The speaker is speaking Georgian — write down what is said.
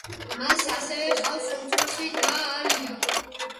მას ასევე ჰყავს უმცროსი და ალია.